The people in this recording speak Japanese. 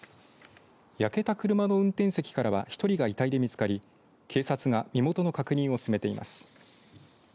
焼けた車の運転席からは１人が遺体で見つかり警察が身元の確認を進めています。